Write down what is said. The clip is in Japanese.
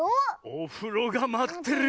「おふろがまってるよ」。